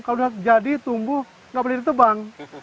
kalau sudah jadi tumbuh nggak boleh ditebang